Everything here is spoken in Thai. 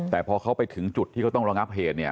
แต่พอเขาไปถึงจุดที่เขาต้องระงับเหตุเนี่ย